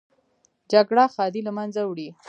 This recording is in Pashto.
جګړه ښادي له منځه وړي